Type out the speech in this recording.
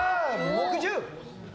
木１０！